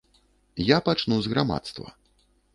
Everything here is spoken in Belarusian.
Я пачну з грамадства.